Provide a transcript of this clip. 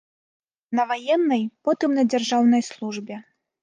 На ваеннай, потым на дзяржаўнай службе.